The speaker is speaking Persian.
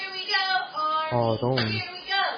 آرون